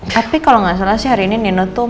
tapi kalau nggak salah sih hari ini nino tuh